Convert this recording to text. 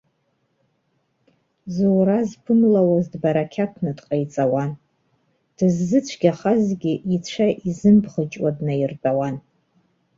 Зура зԥымлауаз дбарақьаҭны дҟаиҵауан, дыззыцәгьахазгьы ицәа изымбӷыҷуа днаиртәауан.